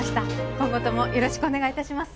今後ともよろしくお願いいたします